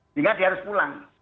sehingga dia harus pulang